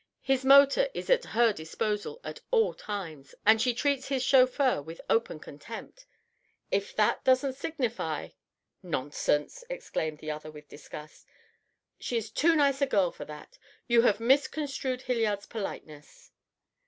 His motor is at her disposal at all times, and she treats his chauffeur with open contempt. If that doesn't signify " "Nonsense!" exclaimed the other with disgust. "She is too nice a girl for that. You have misconstrued Hilliard's politeness."